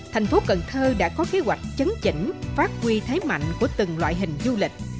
thành phố cần thơ đã có kế hoạch chấn chỉnh phát huy thế mạnh của từng loại hình du lịch